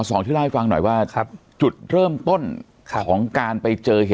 สวัสดีครับทุกผู้ชม